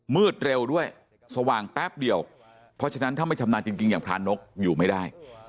มืดเร็วด้วยสว่างแป๊บเดียวเพราะฉะนั้นถ้าไม่ชำนาญจริงอย่างพระนกอยู่ไม่ได้